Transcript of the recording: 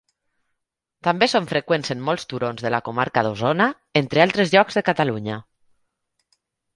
També són freqüents en molts turons de la comarca d'Osona, entre altres llocs de Catalunya.